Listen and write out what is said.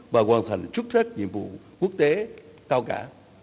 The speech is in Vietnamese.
và hoàn thành xuất sắc nhiệm vụ quốc tế cao cả